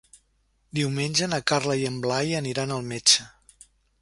Diumenge na Carla i en Blai aniran al metge.